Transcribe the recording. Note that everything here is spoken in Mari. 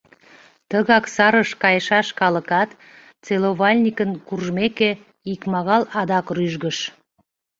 Тыгак сарыш кайышаш калыкат, целовальникын куржмеке, икмагал адак рӱжгыш.